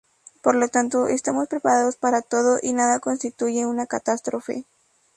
Por lo tanto estamos preparados para todo y nada constituye una catástrofe.